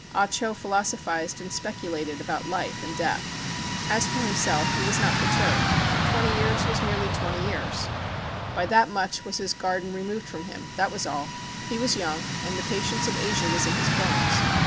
Ah Cho philosophized and speculated about life and death. As for himself, he was not perturbed. Twenty years were merely twenty years. By that much was i68 THE CHIN AGO his garden removed from him ã that was all. He was young, and the patience of Asia was in his bones.